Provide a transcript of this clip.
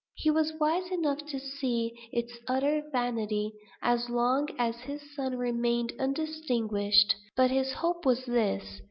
He was wise enough to see its utter vanity, as long as his son remained undistinguished. But his hope was this.